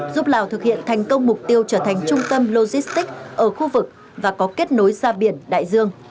giúp lào thực hiện thành công mục tiêu trở thành trung tâm logistics ở khu vực và có kết nối ra biển đại dương